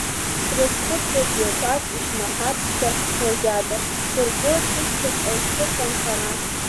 Срызхәыцуеит жәақәак, исмаҳацшәа уажәада, сыргоит сышьҭахьҟа исыхан хара…